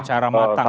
secara matang ya